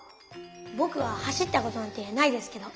ぼくは走ったことなんてないですけど。